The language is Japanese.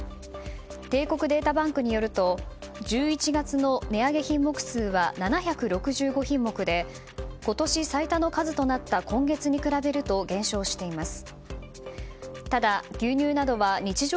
帝国データバンクによると１１月の値上げ品目数は７６５品目で今年最多の数となった今月に比べると減少しています。